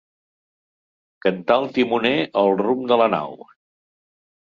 Cantar el timoner el rumb de la nau.